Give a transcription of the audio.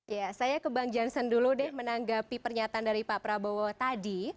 ya saya ke bang jansen dulu deh menanggapi pernyataan dari pak prabowo tadi